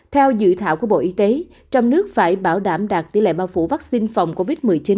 theo dự thảo của bộ y tế trong nước phải bảo đảm đạt tỷ lệ bao phủ vaccine phòng covid một mươi chín